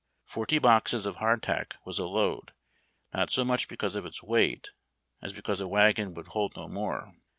Forty boxes of bardtack was a load, not so nmcb because of its weight as because a wagon would hold no more.